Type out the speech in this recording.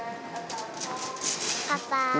パパ。